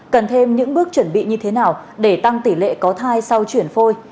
cần thêm những bước chuẩn bị như thế nào để tăng tỷ lệ có thai sau chuyển phôi